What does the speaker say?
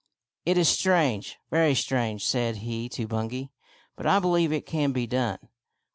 " It is strange, very strange," said he to Bungay, " but I believe it can be done."